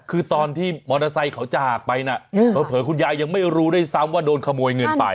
คือตอนที่มอเตอร์ไซค์เขาจะหักไปนะเผลอคุณยายยังไม่รู้ด้วยซ้ำว่าโดนขโมยเงินไป